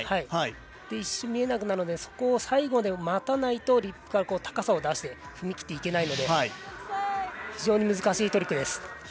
一瞬見えなくなるので最後まで待たないとリップから高さを出して踏み切っていけないので非常に難しいトリックです。